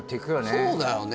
そうだよね